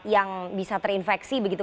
yang bisa terinfeksi begitu